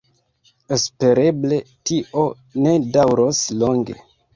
Espereble tio ne daŭros longe.